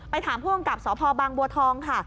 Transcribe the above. ถามผู้กำกับสพบางบัวทองค่ะ